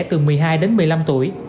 từ một mươi hai đến một mươi năm tuổi